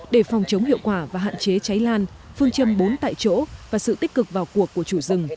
để phòng chống hiệu quả và hạn chế cháy lan phương châm bốn tại chỗ và sự tích cực vào cuộc của chủ rừng